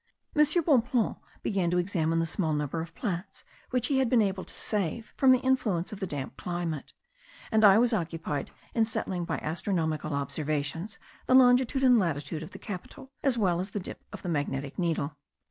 M. Bonpland began to examine the small number of plants which he had been able to save from the influence of the damp climate; and I was occupied in settling by astronomical observations the longitude and latitude of the capital,* as well as the dip of the magnetic needle.